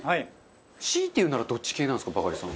強いて言うならどっち系なんですかバカリさん。